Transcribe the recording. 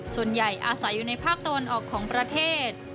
ส่วนใหญ่อาศัยอยู่ในภาคตะวันออกของประเทศ